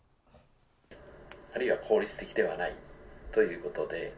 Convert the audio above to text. あるいは効率的ではないということで。